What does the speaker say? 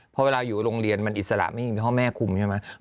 เพราะเวลาอยู่โรงเรียนมันอิสระไม่มีพ่อแม่คุมใช่ไหม